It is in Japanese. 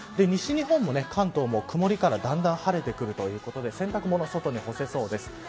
西日本も関東も、くもりからだんだん晴れてくるということで洗濯物は外に干せそうです。